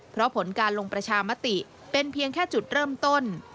เพราะผลการลงประชามติเป็นเพียงแค่จุดเริ่มต้น